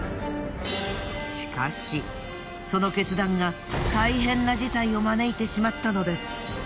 しかしその決断が大変な事態を招いてしまったのです。